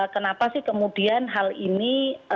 kenapa sih kemudian hal ini